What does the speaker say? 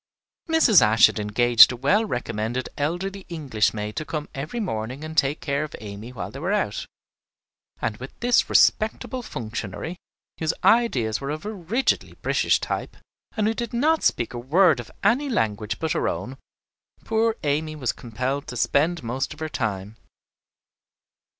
Mrs. Ashe had engaged a well recommended elderly English maid to come every morning and take care of Amy while they were out; and with this respectable functionary, whose ideas were of a rigidly British type and who did not speak a word of any language but her own, poor Amy was compelled to spend most of her time.